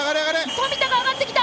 富田があがってきた！